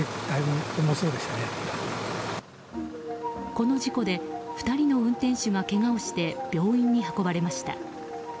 この事故で、２人の運転手がけがをして病院に運ばれました。